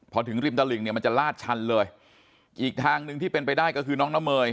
พอถึงริมตลิ่งเนี่ยมันจะลาดชันเลยอีกทางหนึ่งที่เป็นไปได้ก็คือน้องน้ำเมย